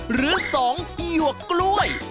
หรือ๒หยวกกล้วย